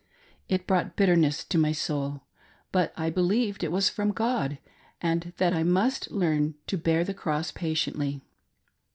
It brought bitterness to my soul, but I believed it was from God, and that I must learn to bear the cross patiently.